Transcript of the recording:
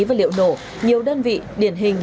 và liệu nổ nhiều đơn vị điển hình